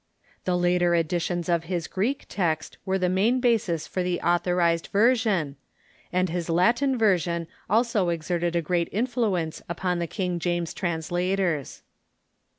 The later editions of his Greek text were the main basis for the Authorized Version, and his Latin version also exerted a great influence upon the King James translators.